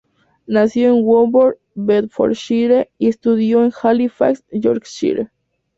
Nació en Woburn, Bedfordshire, y estudió en Halifax, Yorkshire.